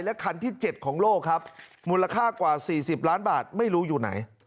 คันที่๗ของโลกครับมูลค่ากว่า๔๐ล้านบาทไม่รู้อยู่ไหน